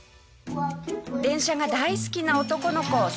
電車が大好きな男の子サミくん。